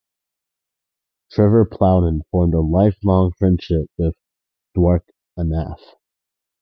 Trevor Plowden formed a lifelong friendship with Dwarkanath.